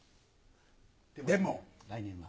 でも来年は」。